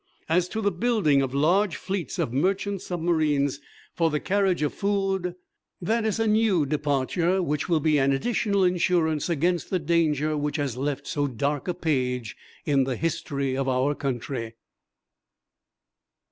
As to the building of large fleets of merchant submarines for the carriage of food, that is a new departure which will be an additional insurance against the danger which has left so dark a page in the history of our country."